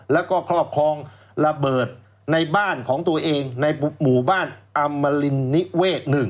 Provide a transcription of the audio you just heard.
แล้วก็ครอบครองระเบิดในบ้านของตัวเองในหมู่บ้านอำมรินนิเวศ๑